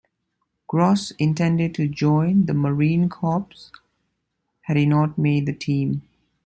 Gros intended to join the Marine Corps had he not made the team.